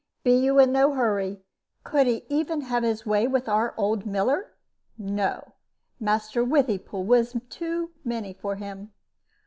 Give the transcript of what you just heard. Be you in no hurry. Could he even have his way with our old miller? No; Master Withypool was too many for him."